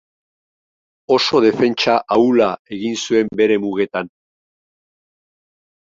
Oso defentsa ahula egin zuen bere mugetan.